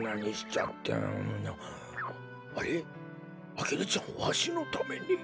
アゲルちゃんわしのために。